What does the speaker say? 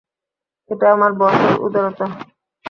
এটা আমার বসের উদারতা।